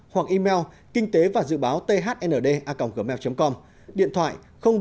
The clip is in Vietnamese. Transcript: hoặc email kinh tế và dự báo thnda gmail com điện thoại bốn ba trăm hai mươi sáu sáu mươi chín nghìn năm trăm linh ba